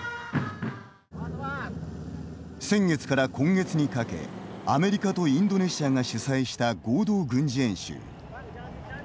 先月から今月にかけアメリカとインドネシアが主催した、合同軍事演習。